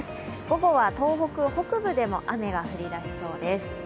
午後は東北北部でも雨が降りだしそうです。